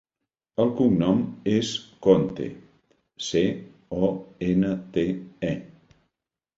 El cognom és Conte: ce, o, ena, te, e.